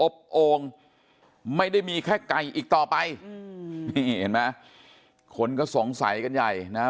โอ่งไม่ได้มีแค่ไก่อีกต่อไปอืมนี่เห็นไหมคนก็สงสัยกันใหญ่นะฮะ